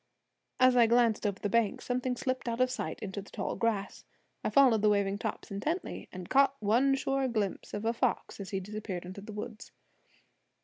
As I glanced over the bank something slipped out of sight into the tall grass. I followed the waving tops intently, and caught one sure glimpse of a fox as he disappeared into the woods.